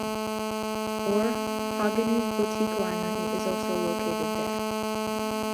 Or HaGanuz Boutique Winery is also located there.